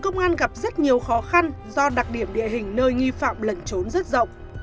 công an gặp rất nhiều khó khăn do đặc điểm địa hình nơi nghi phạm lẩn trốn rất rộng